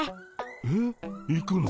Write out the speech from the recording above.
えっ行くの？